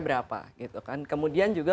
berapa gitu kan kemudian juga